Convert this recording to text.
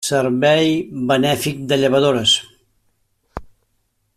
Servei benèfic de llevadores.